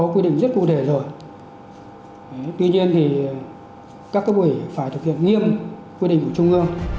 quy định của trung ương